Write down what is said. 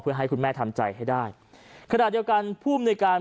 เพื่อให้คุณแม่ทำใจให้ได้ขนาดเดียวกันภูมิในการ